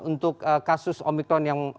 untuk kasus omikron yang